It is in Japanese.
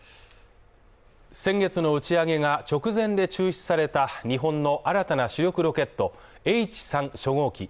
先月の打ち上げが直前で中止された日本の新たな主力ロケットＨ３初号機。